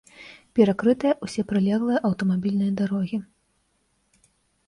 Перакрытыя ўсе прылеглыя аўтамабільныя дарогі.